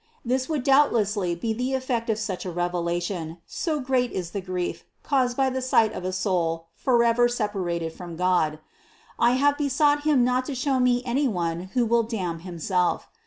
This would doubtlessly be the effect of such a revelation, so great is the grief caused by the sight of a soul forever separated from God. I have besought Him not to show me any one who will damn himself.